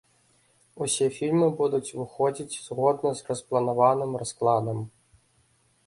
Усе фільмы будуць выходзіць згодна з распланаваным раскладам.